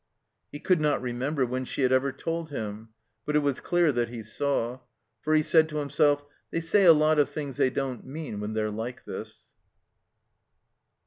He. could not remember when she had ever told him. But it was clear that he saw. For he said to himself, "They say a lot of things they don't mean when they're like this."